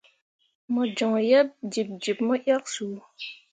Mo joŋ yeb jiɓjiɓ mo yak su.